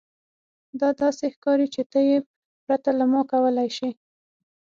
دا داسې ښکاري چې ته یې پرته له ما کولی شې